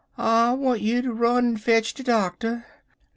I want you ter run en fetch de doctor.